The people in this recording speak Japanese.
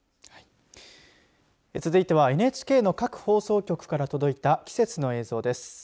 続いてはＮＨＫの各放送局から届いた季節の映像です。